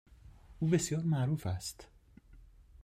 او بسیار معروف است.